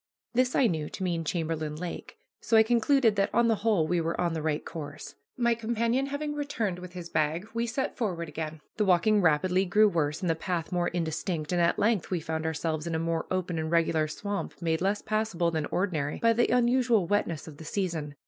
This I knew to mean Chamberlain Lake. So I concluded that on the whole we were on the right course. My companion having returned with his bag, we set forward again. The walking rapidly grew worse and the path more indistinct, and at length we found ourselves in a more open and regular swamp made less passable than ordinary by the unusual wetness of the season.